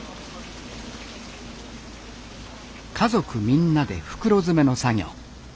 家族みんなで袋詰めの作業。